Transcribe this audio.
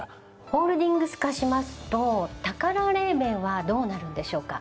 ホールディングス化しますとタカラレーベンはどうなるんでしょうか？